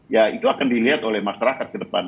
ya itu akan dilihat oleh masyarakat ke depan